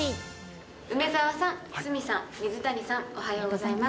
梅澤さん、鷲見さん、水谷さん、おはようございます。